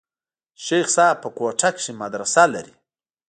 چې شيخ صاحب په کوټه کښې مدرسه لري.